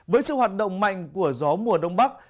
với sự hoạt động mạnh của gió mùa đông bắc